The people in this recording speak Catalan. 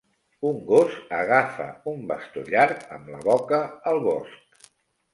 Un gos agafa un bastó llarg amb la boca al bosc.